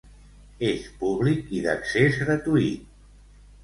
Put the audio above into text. És públic i d'accés gratuït.